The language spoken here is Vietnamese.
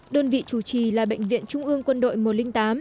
đơn vị chủ trì là bệnh viện trung ương quân đội một trăm linh tám